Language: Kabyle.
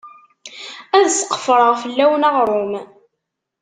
Ad sqefreɣ fell-awen aɣrum.